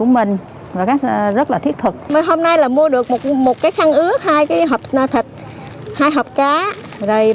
hôm nay là mua được một cái khăn ướt hai hộp thịt hai hộp cá